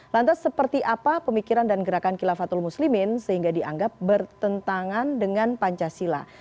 lantas seperti apa pemikiran dan gerakan kilafatul muslimin sehingga dianggap bertentangan dengan pancasila